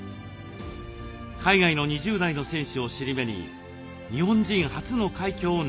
海外の２０代の選手を尻目に日本人初の快挙を成し遂げます。